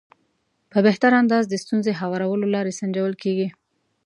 په بهتر انداز د ستونزې هوارولو لارې سنجول کېږي.